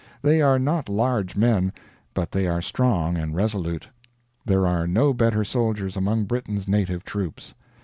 They are not large men, but they are strong and resolute. There are no better soldiers among Britain's native troops.